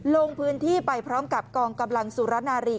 ลงพื้นที่ไปพร้อมกับกองกำลังสุรนารี